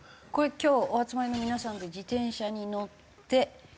今日お集まりの皆さんで自転車に乗ってる人？